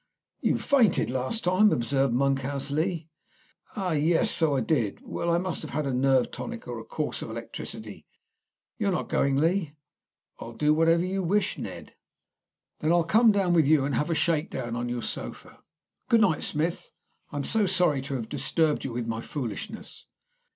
"You fainted last time," observed Monkhouse Lee. "Ah, yes, so I did. Well, I must have a nerve tonic or a course of electricity. You are not going, Lee?" "I'll do whatever you wish, Ned." "Then I'll come down with you and have a shake down on your sofa. Good night, Smith. I am so sorry to have disturbed you with my foolishness."